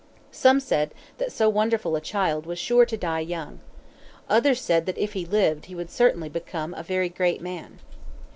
Some said that so wonderful a child was sure to die young. Others said that if he lived he would certainly become a very great man.